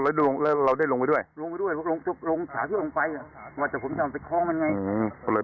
เหนื่อยเล็กลงเลยได้พับผ่อนเลย